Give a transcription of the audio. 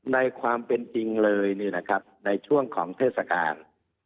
ในความเป็นจริงเลยนี่นะครับในช่วงของเทศกาล